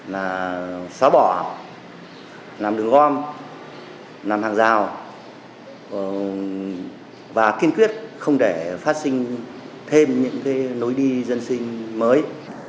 là xóa bỏ làm đường gom làm hàng rào và kiên quyết không để phát sinh thêm những cái lối đi dân sinh mới